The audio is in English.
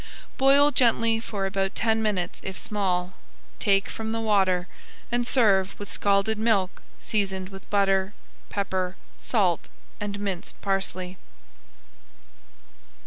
Boil gently for about ten minutes if small. Take from the water, and serve with scalded milk seasoned with butter, pepper, salt, and minced parsley.